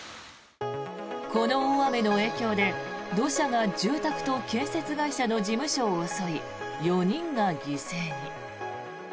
この大雨の影響で土砂が住宅と建設会社の事務所を襲い４人が犠牲に。